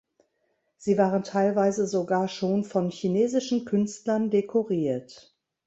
Sie waren teilweise sogar schon von chinesischen Künstlern dekoriert.